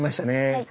はい。